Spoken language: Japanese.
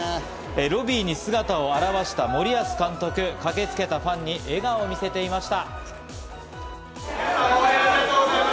ロビーに姿を現した森保監督、駆けつけたファンに笑顔を見せていました。